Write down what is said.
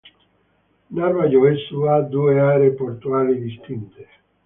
Narva-Jõesuu ha due aree portuali distinte.